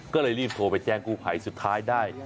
ก็เลยรีบโทรไปแจ้งกู้ภัยสุดท้ายได้